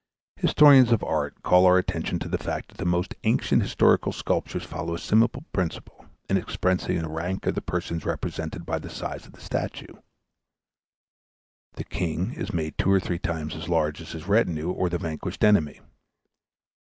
Historians of art call our attention to the fact that the most ancient historical sculptures follow a similar principle in expressing the rank of the persons represented by the size of the statue. The king is made two or three times as large as his retinue or the vanquished enemy.